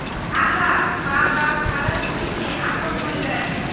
আহা, মা-বাপ-হারা দুঃখী মেয়ে, আপন মনে বেড়ায়!